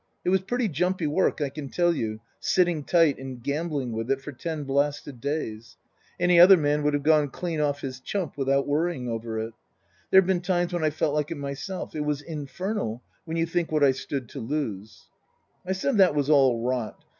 It was pretty jumpy work, I can tell you, sitting tight and gambling with it for ten blasted days. Any other man would have gone clean off his chump with worrying over it. There' ve been times when I've felt like it myself. It was infernal when you think what I stood to lose/' I said that was all rot.